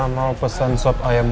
mau pesan sop ayam